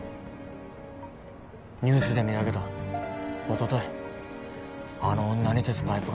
ニュースで見だけどおとといあの女に鉄パイプが。